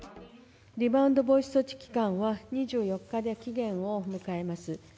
リバウンド防止措置期間は、２４日で期限を迎えます。